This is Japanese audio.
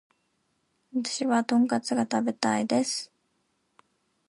私はトンカツが食べたいです